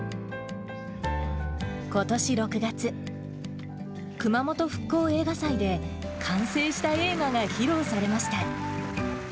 ことし６月、くまもと復興映画祭で、完成した映画が披露されました。